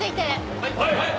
はい！